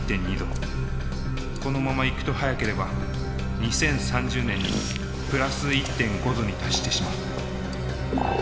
このままいくと早ければ２０３０年にプラス１．５℃に達してしまう。